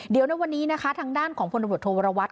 เดี๋ยวในวันนี้นะคะทางด้านของพลตำรวจโทวรวัต